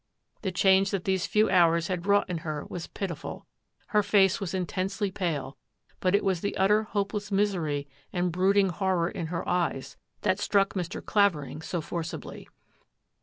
The change that these few hours had wrought in her was pitiful. Her face was in tensely pale, but it was the utter hopeless misery and brooding horror in her eyes that struck Mr. Clavering so forcibly.